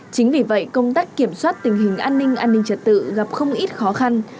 chính vì vậy công tác kiểm soát tình hình an ninh an ninh trật tự gặp không ít khó khăn